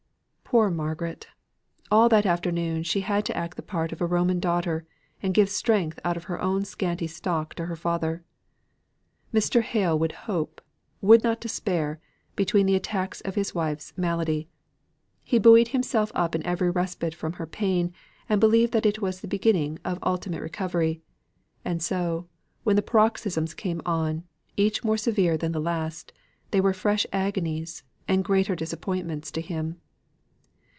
Poor Margaret! All that afternoon she had to act the part of a Roman daughter, and give strength out of her own scanty stock to her father. Mr. Hale would hope, would not despair, between the attacks of his wife's malady; he buoyed himself up in every respite from her pain, and believed that it was the beginning of ultimate recovery. And so, when the paroxysms came on, each more severe than the last, they were fresh agonies, and greater disappointments to him.